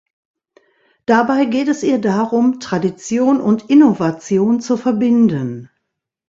Dabei geht es ihr darum, Tradition und Innovation zu verbinden.